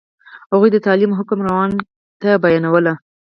هغوی د تعلیم حکم روڼ نه بیانولو.